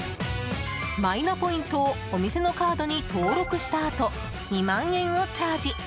マイナポイントをお店のカードに登録したあと２万円をチャージ。